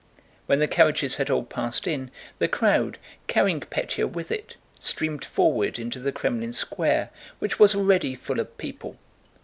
When the carriages had all passed in, the crowd, carrying Pétya with it, streamed forward into the Krémlin Square which was already full of people.